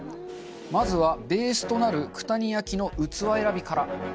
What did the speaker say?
まずはベースとなる九谷焼の器選びから。